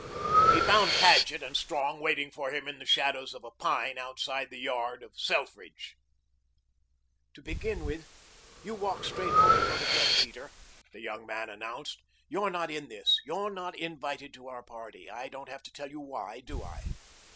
He found Paget and Strong waiting for him in the shadows of a pine outside the yard of Selfridge. "To begin with, you walk straight home and go to bed, Peter," the young man announced. "You're not in this. You're not invited to our party. I don't have to tell you why, do I?"